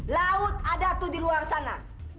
laut ada tuh di luar sana